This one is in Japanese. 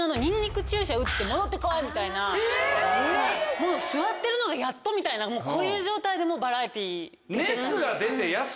もう座ってるのがやっとみたいなこういう状態でもバラエティー出てたとか。